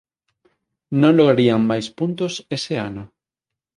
Non lograrían máis puntos ese ano.